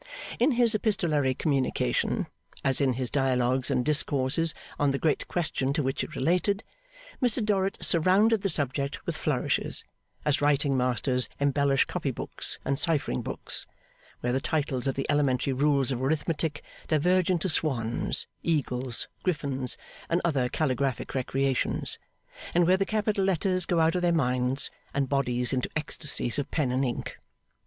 In his epistolary communication, as in his dialogues and discourses on the great question to which it related, Mr Dorrit surrounded the subject with flourishes, as writing masters embellish copy books and ciphering books: where the titles of the elementary rules of arithmetic diverge into swans, eagles, griffins, and other calligraphic recreations, and where the capital letters go out of their minds and bodies into ecstasies of pen and ink.